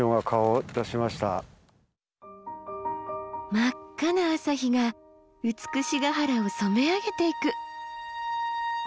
真っ赤な朝日が美ヶ原を染め上げていく。